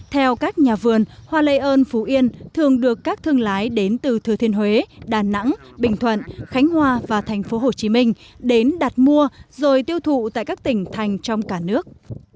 theo các nhà vườn hoa lây ơn phú yên thường được các thương lái đến từ thừa thiên huế đà nẵng bình thuận khánh hoa và thành phố hồ chí minh đến đặt mua rồi tiêu thụ tại các tỉnh thành trong cả nước